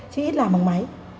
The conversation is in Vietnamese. chứ ít làm bằng máy